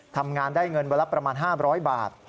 ทำงานได้เงินวันละประมาณ๕๐๐บาท